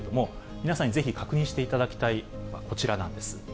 皆さんにぜひ、確認していただきたいのがこちらなんです。